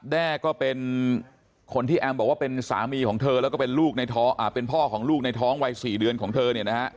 แด้ก็เป็นคนที่แอมบอกว่าเป็นสามีของเธอแล้วก็เป็นลูกในท้องเป็นพ่อของลูกในท้องวัย๔เดือนของเธอเนี่ยนะฮะ